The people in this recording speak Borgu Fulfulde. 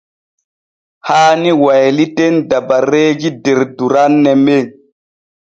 Haani wayliten dabareeji der duranne men.